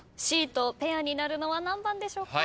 Ｃとペアになるのは何番でしょうか？